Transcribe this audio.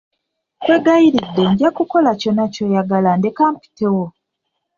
Nkwegayiridde nja kukola kyonna kyoyagala ndeka mpitewo.